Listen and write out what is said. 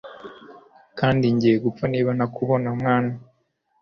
Kandi ngiye gupfa niba ntakubona mwana